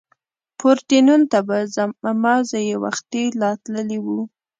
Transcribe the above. پورډېنون ته به ځم، مازې یې وختي لا تللي و.